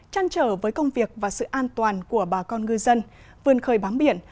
chăn trở với công việc và sự an toàn của bà con ngư dân vườn khơi bám biển